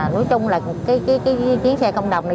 nói chung là chuyến xe không đồng này